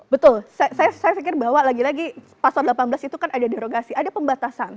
betul saya pikir bahwa lagi lagi pasal delapan belas itu kan ada derogasi ada pembatasan